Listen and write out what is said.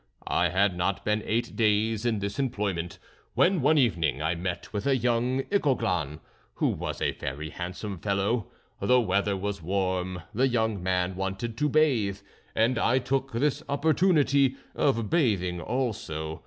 I had not been eight days in this employment when one evening I met with a young Ichoglan, who was a very handsome fellow. The weather was warm. The young man wanted to bathe, and I took this opportunity of bathing also.